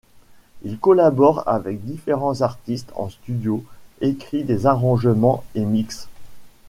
Il collabore avec différents artistes en studio, écrit des arrangements et mixe.